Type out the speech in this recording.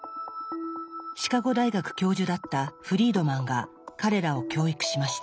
シカゴ大学教授だったフリードマンが彼らを教育しました。